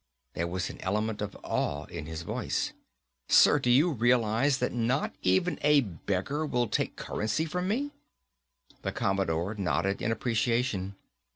There was an element of awe in his voice. "Sir, do you realize that not even a beggar will take currency from me?" The Commodore nodded in appreciation.